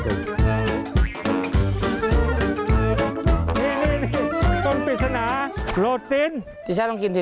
บิเวอรี่เรียอะไรพวกนี้